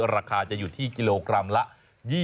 ราคาจะอยู่ที่กิโลกรัมละ๒๐๓๐บาท